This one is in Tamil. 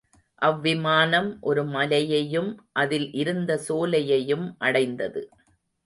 அவ்விமானம் ஒரு மலையையும் அதில் இருந்த சோலையையும் அடைந்தது.